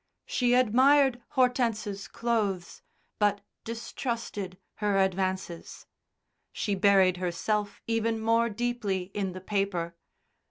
She admired Hortense's clothes, but distrusted her advances. She buried herself even more deeply in the paper.